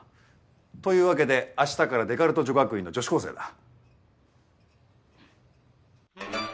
というわけで明日からデカルト女学院の女子高生だ。